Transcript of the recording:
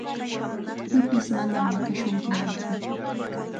Pipis manam maqashunkimantsu.